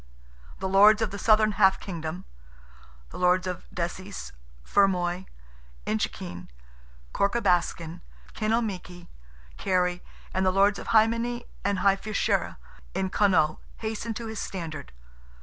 The Lords of the southern half kingdom—the Lords of Desies, Fermoy, Inchiquin, Corca Baskin, Kinalmeaky, Kerry, and the Lords of Hy Many and Hy Fiachra, in Connaught, hastened to his standard.